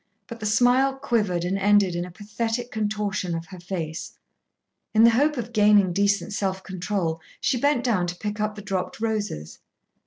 But the smile quivered and ended in a pathetic contortion of her face. In the hope of gaining decent self control, she bent down to pick up the dropped roses.